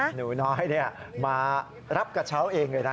หนูน้อยมารับกระเช้าเองเลยนะ